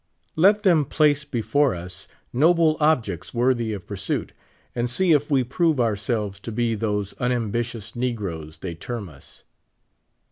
Let them place before us noble objects worthy of pursuit, and see if we ])rove ourselves to be those unambitious negroes they term us.